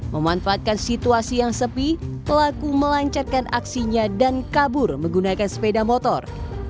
memanfaatkan situasi yang sepi pelaku melancarkan aksinya dan kabur menggunakan sepeda motor